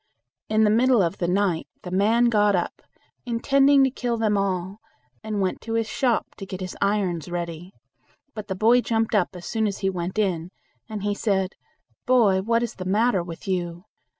In the middle of the night the man got up, intending to kill them all, and went to his shop to get his irons ready, but the boy jumped up as soon as he went in, and he said, "Boy, what is the matter with you?"